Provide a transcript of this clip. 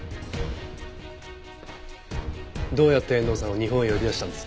どうやって遠藤さんを日本へ呼び出したんです？